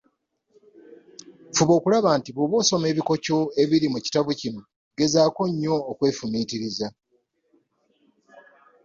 Fuba okulaba nti bw’oba osoma ebikoco ebiri mu kitabo kino gezaako nnyo okwefumiitiriza.